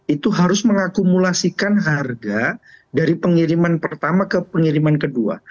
itu harus mengakumulasikan harga dari pengiriman pertama ke pengiriman kedua